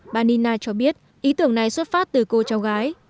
bà nina cho biết ý tưởng này xuất phát từ cô cháu gái